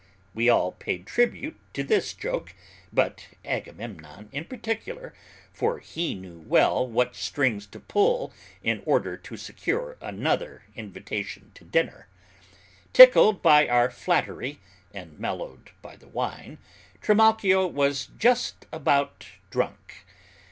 We all paid tribute to this joke, but Agamemnon in particular, for he well knew what strings to pull in order to secure another invitation to dinner. Tickled by our flattery, and mellowed by the wine, Trimalchio was just about drunk.